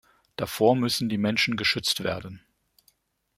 Davor müssen die Menschen geschützt werden.